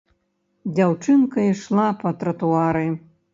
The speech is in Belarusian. Дзяўчынка ішла па тратуары.